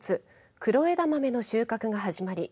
黒枝豆の収穫が始まり